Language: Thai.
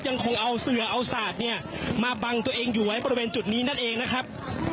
ยังคงเอาเสือเอาสาดเนี่ยมาบังตัวเองอยู่ไว้บริเวณจุดนี้นั่นเองนะครับ